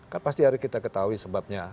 kan pasti harus kita ketahui sebabnya